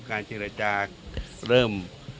การเจรจาเริ่ม